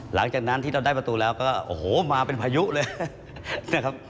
หลังจากนั้นที่เราได้ประตูแล้วก็โอ้โหมาเป็นพายุเลยนะครับ